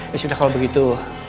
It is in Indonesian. ya sudah kalau begitu